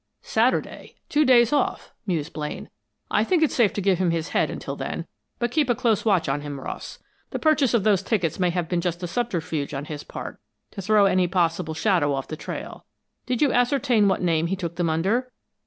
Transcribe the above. "Saturday two days off!" mused Blaine. "I think it's safe to give him his head until then, but keep a close watch on him, Ross. The purchase of those tickets may have been just a subterfuge on his part to throw any possible shadow off the trail. Did you ascertain what name he took them under?"